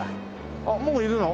あっもういるの？